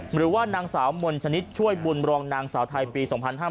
หรือว่านางสาวมนชนิดช่วยบุญรองนางสาวไทยปี๒๕๕๙